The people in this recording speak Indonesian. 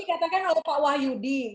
ini dikatakan kalau pak wahyudi